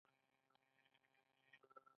ما د جملو په اصلاح کې زړه ورک کړ.